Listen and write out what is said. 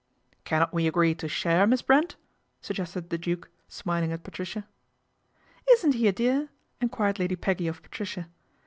" Cannot we agree to share Miss Brent ?' suggested the Duke, smiling at Patricia. " Isn't he a dear ?" enquired Lady Peggy o Patricia.